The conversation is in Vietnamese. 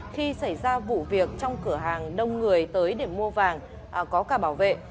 khi xảy ra vụ việc trong cửa hàng đông người tới để mua vàng có cả bảo vệ